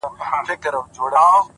زه وايم دا;